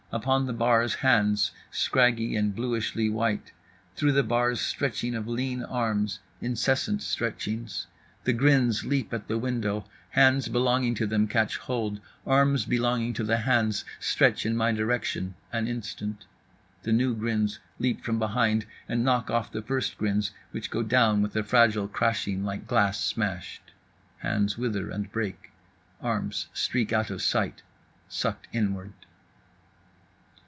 Upon the bars hands, scraggy and bluishly white. Through the bars stretching of lean arms, incessant stretchings. The grins leap at the window, hands belonging to them catch hold, arms belonging to the hands stretch in my direction … an instant; the new grins leap from behind and knock off the first grins which go down with a fragile crashing like glass smashed: hands wither and break, arms streak out of sight, sucked inward.